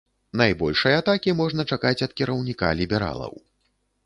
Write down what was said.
Найбольшай атакі можна чакаць ад кіраўніка лібералаў.